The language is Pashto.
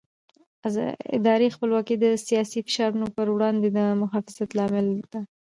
اداري خپلواکي د سیاسي فشارونو پر وړاندې د محافظت لامل ده